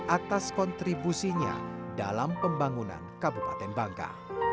atas kontribusinya dalam pembangunan kabupaten bangka